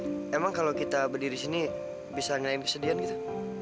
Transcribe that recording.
baru tau emang kalau kita berdiri di sini bisa ngelain kesedihan kita